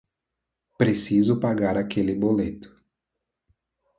preciso pagar aquele boleto